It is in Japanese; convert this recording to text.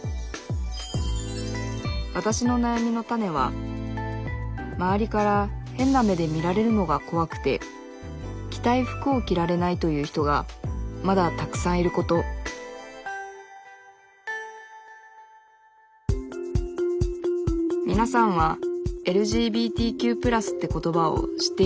わたしのなやみのタネは周りから変な目で見られるのが怖くて着たい服を着られないという人がまだたくさんいることみなさんは「ＬＧＢＴＱ＋」って言葉を知っていますか？